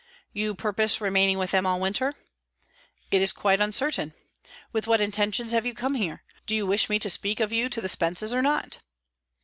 "You purpose remaining with them all the winter?" "It is quite uncertain. With what intentions have you come here? Do you wish me to speak of you to the Spences or not?"